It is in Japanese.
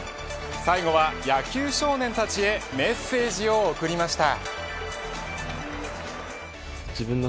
最後は野球少年たちへメッセージを送りました。